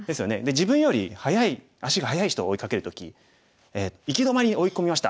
自分より速い足が速い人を追いかける時行き止まりに追い込みました。